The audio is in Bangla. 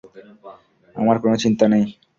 আমার কোনো চিন্তা নেই।